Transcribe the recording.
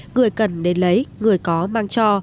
người cần đến lấy người có